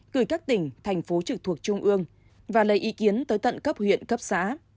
gửi các tỉnh thành phố trực thuộc trung ương và lấy ý kiến tới tận cấp huyện cấp xã